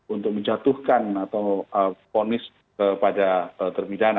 untuk menjatuhkan atau ponis kepada terpidana